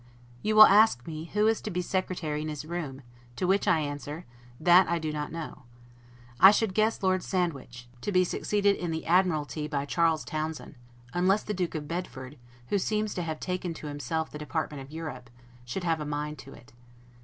You will ask me, who is to be Secretary in his room: To which I answer, that I do not know. I should guess Lord Sandwich, to be succeeded in the Admiralty by Charles Townshend; unless the Duke of Bedford, who seems to have taken to himself the department of Europe, should have a mind to it.